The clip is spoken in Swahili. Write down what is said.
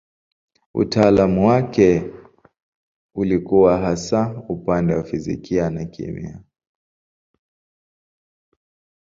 Utaalamu wake ulikuwa hasa upande wa fizikia na kemia.